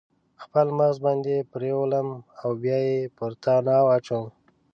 خپل مغز باندې پریولم او بیا یې پر تناو اچوم